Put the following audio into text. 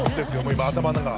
今頭の中。